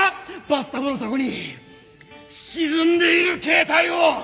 バスタブの底に沈んでいる携帯を！？